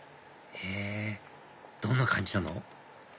へぇどんな感じなの？